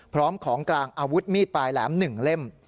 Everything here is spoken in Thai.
พร้อมของกลางอาวุธมีดปลายแหลม๑เล่ม